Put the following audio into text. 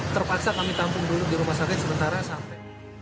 terpaksa kami tampung dulu di rumah sakit sementara sampai